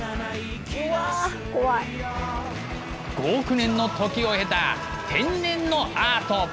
５億年の時を経た天然のアート。